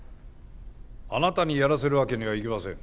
あなたにやらせるわけにはいきません。